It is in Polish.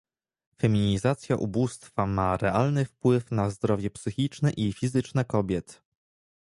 Feminizacja ubóstwa ma realny wpływ na zdrowie psychiczne i fizyczne kobiet